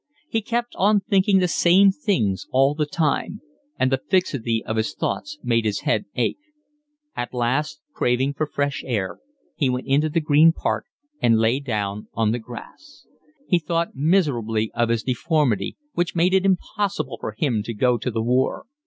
He kept on thinking the same things all the time, and the fixity of his thoughts made his head ache. At last, craving for fresh air, he went into the Green Park and lay down on the grass. He thought miserably of his deformity, which made it impossible for him to go to the war.